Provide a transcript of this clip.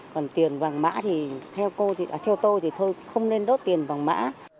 còn tiền vàng mã thì theo tôi thì thôi không nên đốt tiền vàng mã